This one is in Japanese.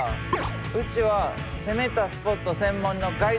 うちは攻めたスポット専門のガイドブックや。